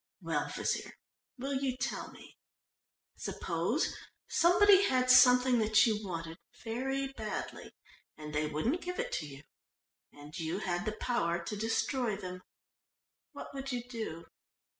"Well, Wazeer, will you tell me: Suppose somebody who had something that you wanted very badly and they wouldn't give it to you, and you had the power to destroy them, what would you do?"